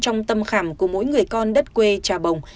trong tâm khảm của mỗi người con đất quê trà bồng